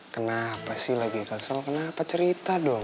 kenapa sih lagi kesel kenapa cerita dong